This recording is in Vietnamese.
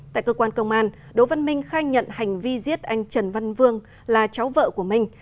tại cơ quan công an đỗ văn minh khai nhận hành vi giết anh trần văn vương là cháu vợ của mình